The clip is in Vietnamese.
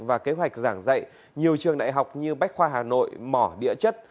và kế hoạch giảng dạy nhiều trường đại học như bách khoa hà nội mỏ địa chất